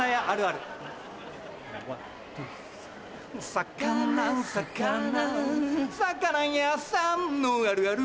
魚魚魚屋さんのあるある